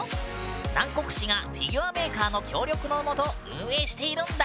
南国市がフィギュアメーカーの協力のもと運営しているんだ。